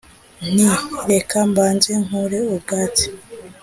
Nti : Reka mbanze nkure ubwatsi